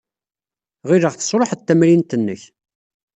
Ɣileɣ tesṛuḥeḍ tamrint-nnek.